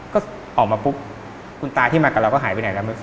ก็ออกมาปุ๊บคุณตาที่มากับเราก็หายไปไหนแล้วเมื่อค